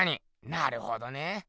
なるほどねぇ。